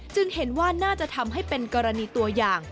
เห็นว่าน่าจะทำให้เป็นกรณีตัวอย่าง